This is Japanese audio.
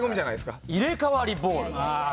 入れ替わりボール。